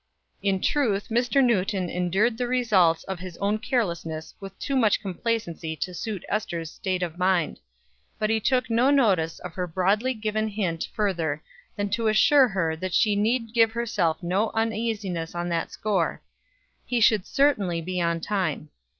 In truth Mr. Newton endured the results of his own carelessness with too much complacency to suit Ester's state of mind; but he took no notice of her broadly given hint further than to assure her that she need give herself no uneasiness on that score; he should certainly be on time.